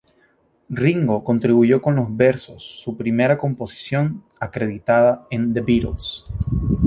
Ringo contribuyó con los versos, su primera composición acreditada en The Beatles.